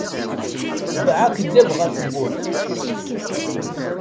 Tbeɛ akeddab ɣer tebburt.